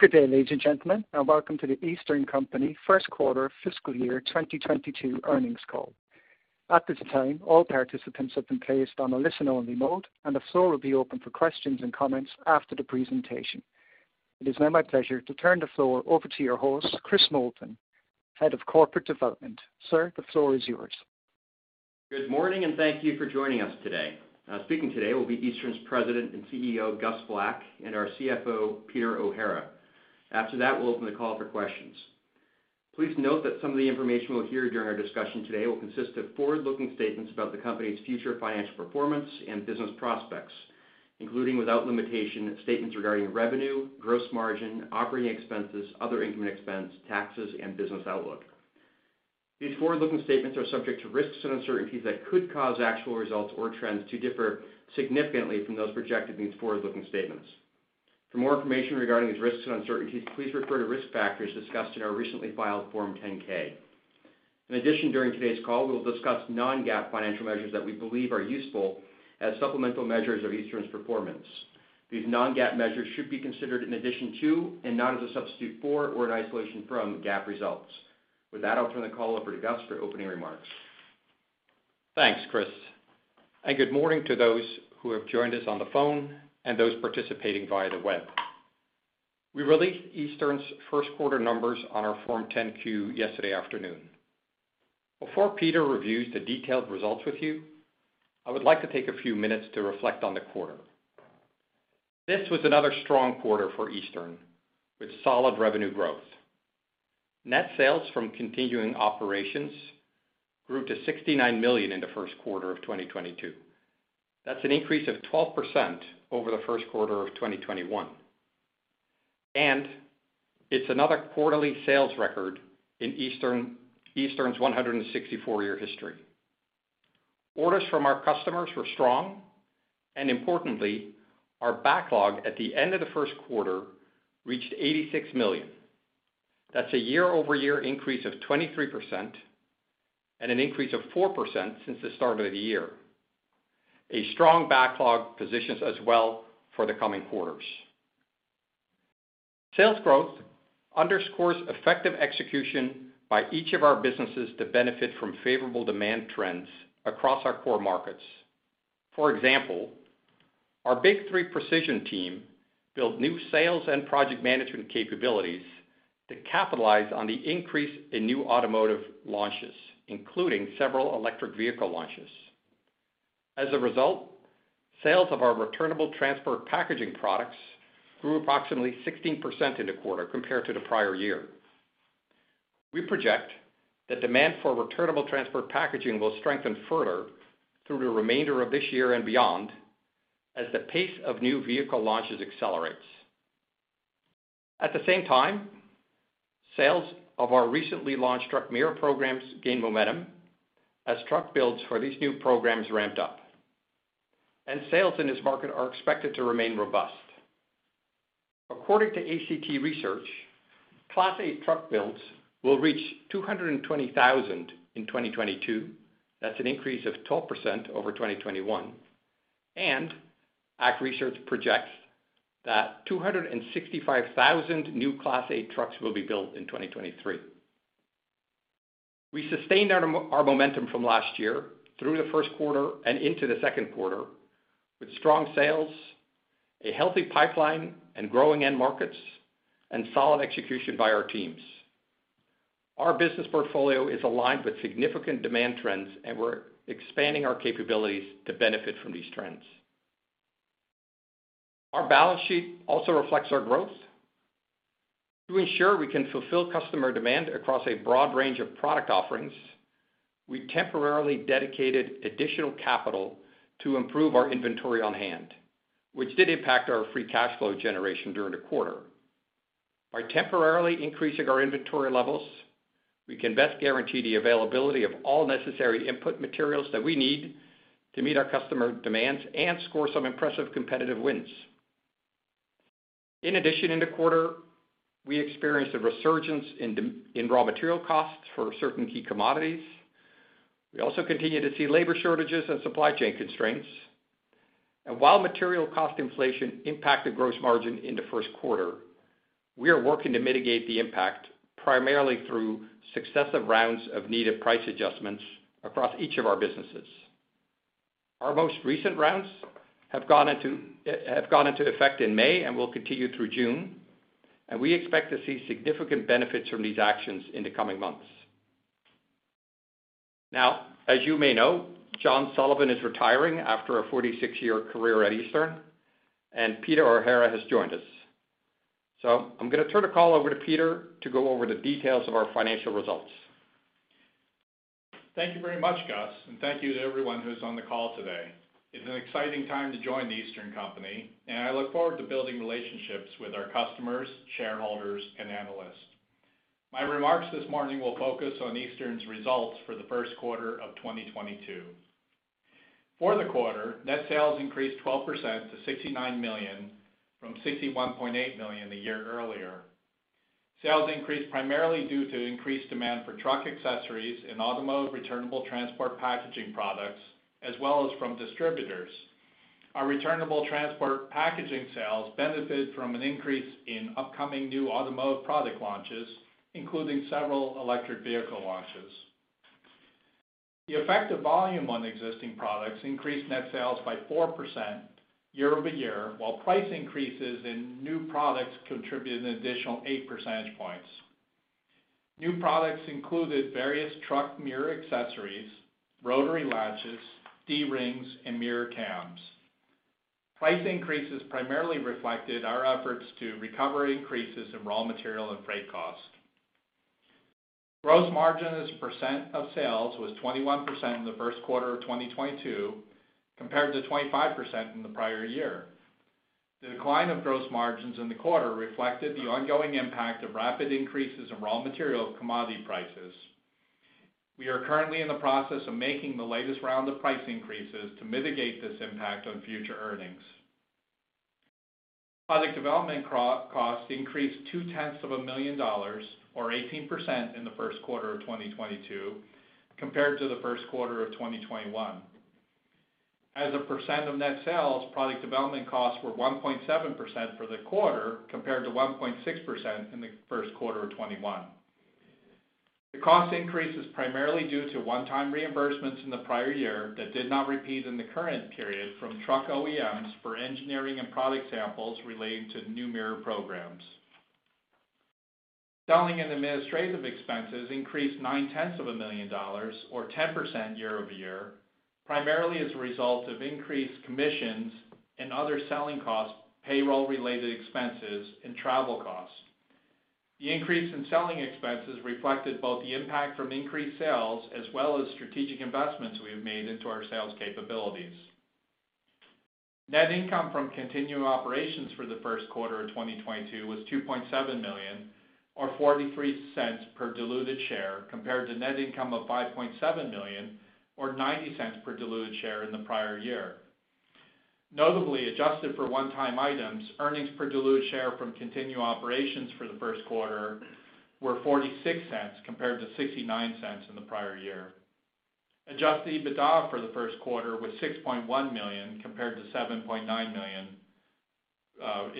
Good day, ladies and gentlemen, and welcome to The Eastern Company first quarter fiscal year 2022 earnings call. At this time, all participants have been placed on a listen only mode, and the floor will be open for questions and comments after the presentation. It is now my pleasure to turn the floor over to your host, Chris Moulton, Head of Corporate Development. Sir, the floor is yours. Good morning, and thank you for joining us today. Speaking today will be Eastern's President and CEO, Gus Vlak, and our CFO, Peter O'Hara. After that, we'll open the call for questions. Please note that some of the information we'll hear during our discussion today will consist of forward-looking statements about the company's future financial performance and business prospects, including without limitation, statements regarding revenue, gross margin, operating expenses, other income expense, taxes and business outlook. These forward-looking statements are subject to risks and uncertainties that could cause actual results or trends to differ significantly from those projected in these forward-looking statements. For more information regarding these risks and uncertainties, please refer to risk factors discussed in our recently filed Form 10-K. In addition, during today's call, we will discuss non-GAAP financial measures that we believe are useful as supplemental measures of Eastern's performance. These non-GAAP measures should be considered in addition to and not as a substitute for or an isolation from GAAP results. With that, I'll turn the call over to Gus for opening remarks. Thanks, Chris, and good morning to those who have joined us on the phone and those participating via the web. We released Eastern's first quarter numbers on our form 10-Q yesterday afternoon. Before Peter reviews the detailed results with you, I would like to take a few minutes to reflect on the quarter. This was another strong quarter for Eastern, with solid revenue growth. Net sales from continuing operations grew to $69 million in the first quarter of 2022. That's an increase of 12% over the first quarter of 2021. It's another quarterly sales record in Eastern's 164-year history. Orders from our customers were strong, and importantly, our backlog at the end of the first quarter reached $86 million. That's a year-over-year increase of 23% and an increase of 4% since the start of the year. A strong backlog positions us well for the coming quarters. Sales growth underscores effective execution by each of our businesses to benefit from favorable demand trends across our core markets. For example, our Big 3 Precision team built new sales and project management capabilities to capitalize on the increase in new automotive launches, including several electric vehicle launches. As a result, sales of our returnable transport packaging products grew approximately 16% in the quarter compared to the prior year. We project the demand for returnable transport packaging will strengthen further through the remainder of this year and beyond, as the pace of new vehicle launches accelerates. At the same time, sales of our recently launched truck mirror programs gained momentum as truck builds for these new programs ramped up. Sales in this market are expected to remain robust. According to ACT Research, Class 8 Truck builds will reach 220,000 in 2022. That's an increase of 12% over 2021. ACT Research projects that 265,000 new Class 8 Trucks will be built in 2023. We sustained our momentum from last year through the first quarter and into the second quarter with strong sales, a healthy pipeline, and growing end markets, and solid execution by our teams. Our business portfolio is aligned with significant demand trends, and we're expanding our capabilities to benefit from these trends. Our balance sheet also reflects our growth. To ensure we can fulfill customer demand across a broad range of product offerings, we temporarily dedicated additional capital to improve our inventory on-hand, which did impact our free cash flow generation during the quarter. By temporarily increasing our inventory levels, we can best guarantee the availability of all necessary input materials that we need to meet our customer demands and score some impressive competitive wins. In addition, in the quarter, we experienced a resurgence in raw material costs for certain key commodities. We also continue to see labor shortages and supply chain constraints. While material cost inflation impacted gross margin in the first quarter, we are working to mitigate the impact, primarily through successive rounds of needed price adjustments across each of our businesses. Our most recent rounds have gone into effect in May and will continue through June, and we expect to see significant benefits from these actions in the coming months. Now, as you may know, John Sullivan is retiring after a 46-year career at Eastern, and Peter O'Hara has joined us. I'm gonna turn the call over to Peter O'Hara to go over the details of our financial results. Thank you very much, Gus, and thank you to everyone who's on the call today. It's an exciting time to join The Eastern Company, and I look forward to building relationships with our customers, shareholders, and analysts. My remarks this morning will focus on Eastern's results for the first quarter of 2022. For the quarter, net sales increased 12% to $69 million, from $61.8 million a year earlier. Sales increased primarily due to increased demand for truck accessories and automotive returnable transport packaging products, as well as from distributors. Our returnable transport packaging sales benefited from an increase in upcoming new automotive product launches, including several electric vehicle launches. The effect of volume on existing products increased net sales by 4% year-over-year, while price increases in new products contributed an additional 8 percentage points. New products included various truck mirror accessories, rotary latches, D-rings, and mirror cams. Price increases primarily reflected our efforts to recover increases in raw material and freight costs. Gross margin as a percent of sales was 21% in the first quarter of 2022, compared to 25% in the prior year. The decline of gross margins in the quarter reflected the ongoing impact of rapid increases in raw material commodity prices. We are currently in the process of making the latest round of price increases to mitigate this impact on future earnings. Product development cost increased $0.2 million or 18% in the first quarter of 2022 compared to the first quarter of 2021. As a percent of net sales, product development costs were 1.7% for the quarter compared to 1.6% in the first quarter of 2021. The cost increase is primarily due to one-time reimbursements in the prior year that did not repeat in the current period from truck OEMs for engineering and product samples relating to new mirror programs. Selling and administrative expenses increased $900,000 or 10% year-over-year, primarily as a result of increased commissions and other selling costs, payroll-related expenses, and travel costs. The increase in selling expenses reflected both the impact from increased sales as well as strategic investments we have made into our sales capabilities. Net income from continuing operations for the first quarter of 2022 was $2.7 million or $0.43 per diluted share, compared to net income of $5.7 million or $0.90 per diluted share in the prior year. Notably, adjusted for one-time items, earnings per diluted share from continuing operations for the first quarter were $0.46 compared to $0.69 in the prior year. Adjusted EBITDA for the first quarter was $6.1 million compared to $7.9 million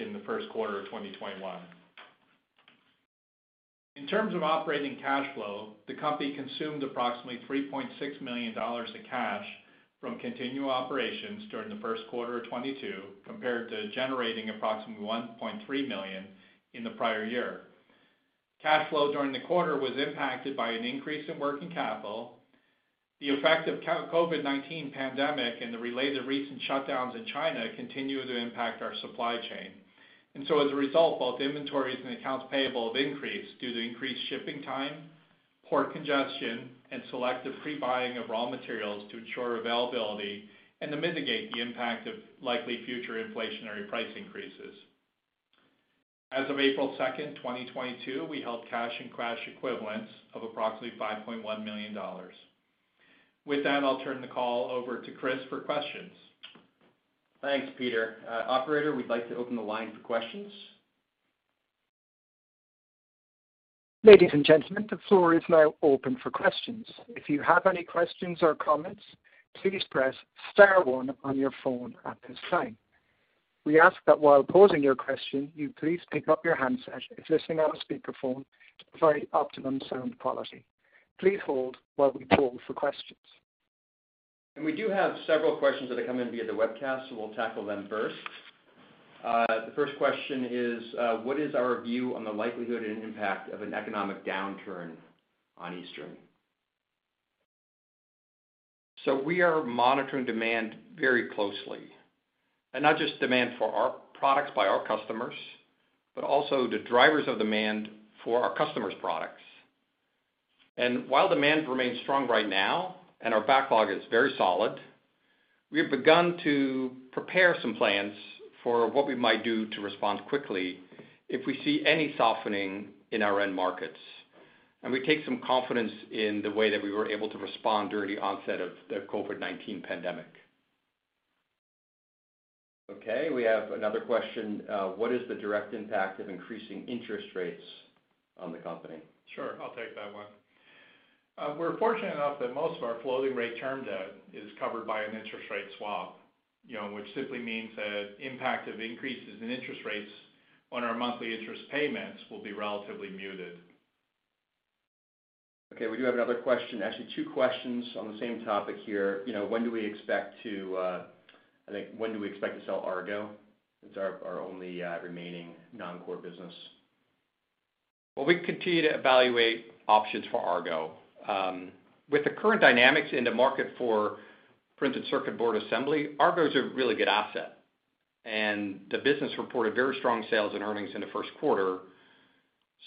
in the first quarter of 2021. In terms of operating cash flow, the company consumed approximately $3.6 million in cash from continuing operations during the first quarter of 2022 compared to generating approximately $1.3 million in the prior year. Cash flow during the quarter was impacted by an increase in working capital. The effect of COVID-19 pandemic and the related recent shutdowns in China continue to impact our supply chain. As a result, both inventories and accounts payable have increased due to increased shipping time, port congestion, and selective pre-buying of raw materials to ensure availability and to mitigate the impact of likely future inflationary price increases. As of April 2nd, 2022, we held cash and cash equivalents of approximately $5.1 million. With that, I'll turn the call over to Chris for questions. Thanks, Peter. Operator, we'd like to open the line for questions. Ladies and gentlemen, the floor is now open for questions. If you have any questions or comments, please press star one on your phone at this time. We ask that while posing your question, you please pick up your handset if listening on a speakerphone to provide optimum sound quality. Please hold while we poll for questions. We do have several questions that have come in via the webcast, so we'll tackle them first. The first question is, what is our view on the likelihood and impact of an economic downturn on Eastern? We are monitoring demand very closely. Not just demand for our products by our customers, but also the drivers of demand for our customers' products. While demand remains strong right now and our backlog is very solid, we have begun to prepare some plans for what we might do to respond quickly if we see any softening in our end markets. We take some confidence in the way that we were able to respond during the onset of the COVID-19 pandemic. Okay, we have another question. What is the direct impact of increasing interest rates on the company? Sure. I'll take that one. We're fortunate enough that most of our floating rate term debt is covered by an interest rate swap, you know, which simply means that impact of increases in interest rates on our monthly interest payments will be relatively muted. Okay, we do have another question. Actually, two questions on the same topic here. You know, I think when do we expect to sell Argo? It's our only remaining non-core business. Well, we continue to evaluate options for Argo. With the current dynamics in the market for printed circuit board assembly, Argo is a really good asset. The business reported very strong sales and earnings in the first quarter.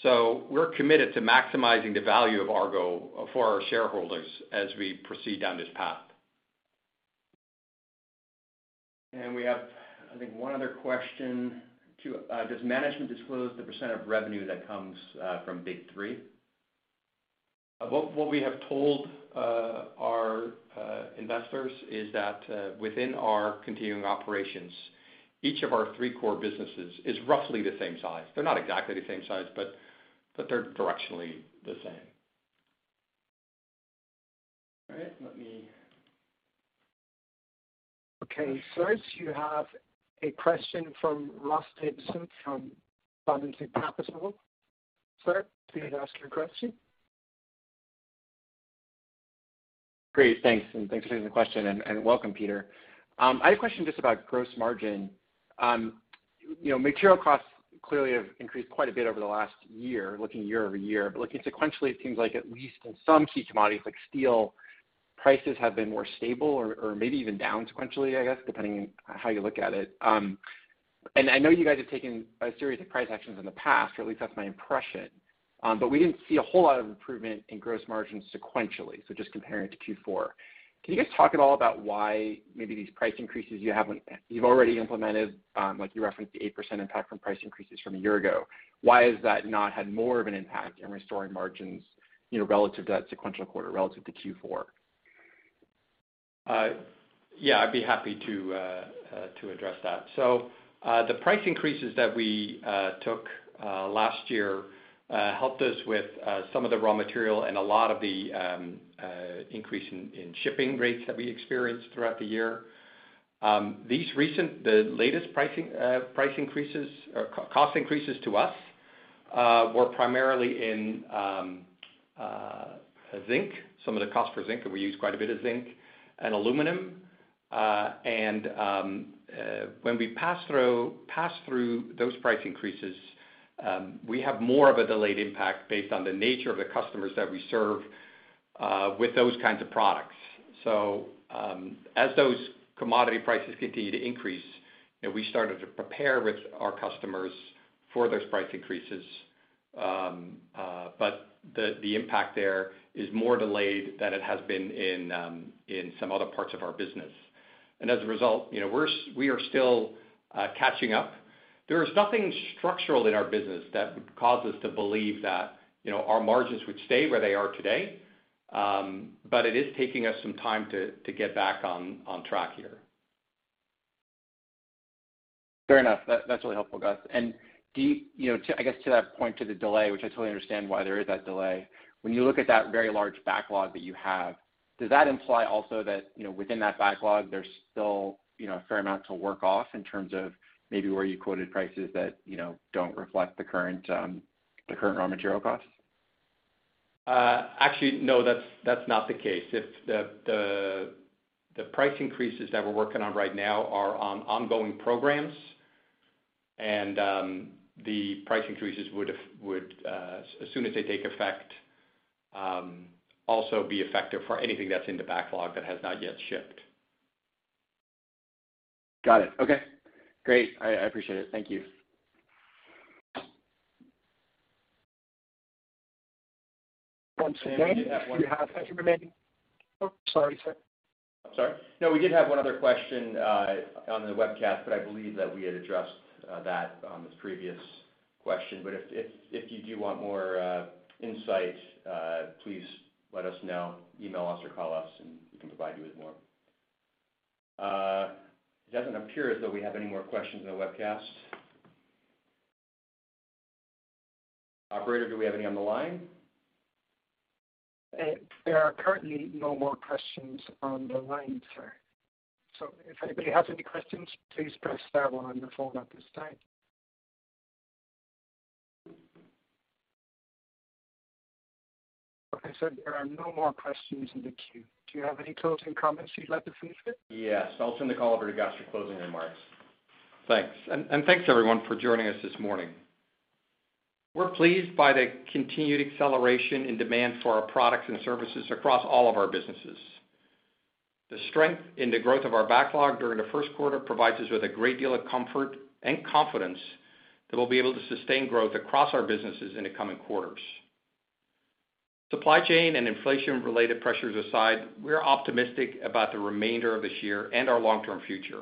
We're committed to maximizing the value of Argo for our shareholders as we proceed down this path. We have, I think, one other question. Does management disclose the percent of revenue that comes from Big 3? What we have told our investors is that, within our continuing operations, each of our three core businesses is roughly the same size. They're not exactly the same size, but they're directionally the same. All right, let me. Okay. Sir, do you have a question from? Sir, please ask your question. Great. Thanks. Thanks for taking the question, and welcome, Peter. I had a question just about gross margin. You know, material costs clearly have increased quite a bit over the last year, looking year-over-year. Looking sequentially, it seems like at least in some key commodities like steel, prices have been more stable or maybe even down sequentially, I guess, depending on how you look at it. I know you guys have taken a series of price actions in the past, or at least that's my impression, but we didn't see a whole lot of improvement in gross margin sequentially, so just comparing to Q4. Can you guys talk at all about why maybe these price increases you've already implemented, like you referenced the 8% impact from price increases from a year ago. Why has that not had more of an impact in restoring margins, you know, relative to that sequential quarter, relative to Q4? I'd be happy to address that. The price increases that we took last year helped us with some of the raw material and a lot of the increase in shipping rates that we experienced throughout the year. The latest pricing price increases or cost increases to us were primarily in zinc, some of the cost for zinc, and we use quite a bit of zinc and aluminum. When we pass through those price increases, we have more of a delayed impact based on the nature of the customers that we serve with those kinds of products. As those commodity prices continue to increase, and we started to prepare with our customers for those price increases, but the impact there is more delayed than it has been in some other parts of our business. As a result, you know, we are still catching up. There is nothing structural in our business that would cause us to believe that, you know, our margins would stay where they are today, but it is taking us some time to get back on track here. Fair enough. That's really helpful, Gus. Do you know, I guess to that point, to the delay, which I totally understand why there is that delay. When you look at that very large backlog that you have, does that imply also that, you know, within that backlog, there's still, you know, a fair amount to work off in terms of maybe where you quoted prices that, you know, don't reflect the current, the current raw material costs? Actually, no, that's not the case. It's the price increases that we're working on right now are on ongoing programs, and the price increases would, as soon as they take effect, also be effective for anything that's in the backlog that has not yet shipped. Got it. Okay. Great. I appreciate it. Thank you. Oh, sorry, sir. I'm sorry. No, we did have one other question on the webcast, but I believe that we had addressed that on this previous question. If you do want more insight, please let us know. Email us or call us, and we can provide you with more. It doesn't appear as though we have any more questions on the webcast. Operator, do we have any on the line? There are currently no more questions on the line, sir. If anybody has any questions, please press star one on your phone at this time. Like I said, there are no more questions in the queue. Do you have any closing comments you'd like to finish with? Yes. I'll turn the call over to Gus for closing remarks. Thanks. Thanks everyone for joining us this morning. We're pleased by the continued acceleration and demand for our products and services across all of our businesses. The strength in the growth of our backlog during the first quarter provides us with a great deal of comfort and confidence that we'll be able to sustain growth across our businesses in the coming quarters. Supply chain and inflation-related pressures aside, we are optimistic about the remainder of this year and our long-term future.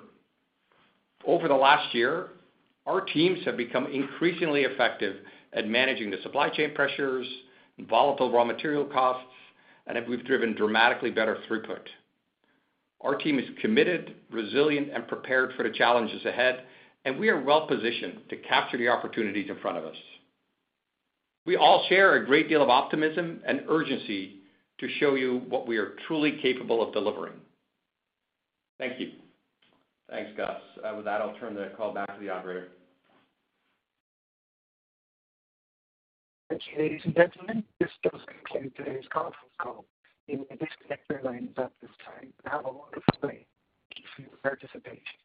Over the last year, our teams have become increasingly effective at managing the supply chain pressures and volatile raw material costs we've driven dramatically better throughput. Our team is committed, resilient, and prepared for the challenges ahead, and we are well-positioned to capture the opportunities in front of us. We all share a great deal of optimism and urgency to show you what we are truly capable of delivering. Thank you. Thanks, Gus. With that, I'll turn the call back to the operator. Thank you, ladies and gentlemen. This does conclude today's conference call. You may disconnect your lines at this time. Have a wonderful day. Thank you for your participation.